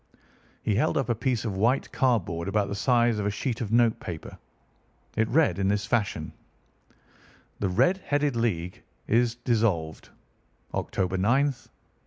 He held up a piece of white cardboard about the size of a sheet of note paper. It read in this fashion: "THE RED HEADED LEAGUE IS DISSOLVED. October 9, 1890."